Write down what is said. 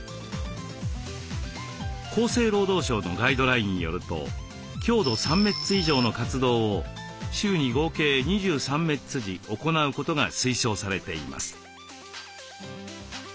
厚生労働省のガイドラインによると強度３メッツ以上の活動を週に合計２３メッツ時行うことが推奨されています。